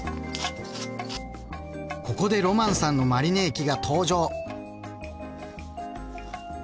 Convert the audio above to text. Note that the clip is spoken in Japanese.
ここでロマンさんのマリネ液が登場。